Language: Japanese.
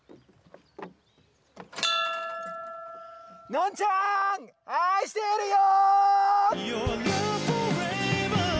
のんちゃん愛してるよ！